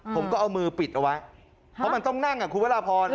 ผมก็เอามือปิดเอาไว้เพราะมันต้องนั่งคุณพระราพร